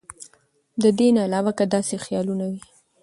د دې نه علاوه کۀ داسې خيالونه وي